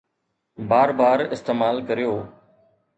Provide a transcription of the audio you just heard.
بار بار استعمال ڪريو